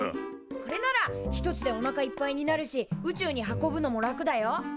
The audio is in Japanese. これなら１つでおなかいっぱいになるし宇宙に運ぶのも楽だよ。